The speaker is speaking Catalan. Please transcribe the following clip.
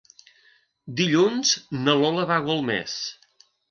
Dilluns na Lola va a Golmés.